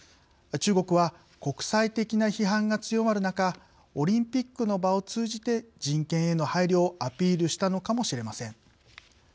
中国は、国際的な批判が強まる中オリンピックの場を通じて人権への配慮をアピールしたのかもしれません。